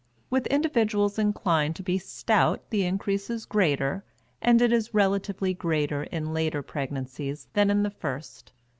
With individuals inclined to be stout the increase is greater, and it is relatively greater in later pregnancies than in the first.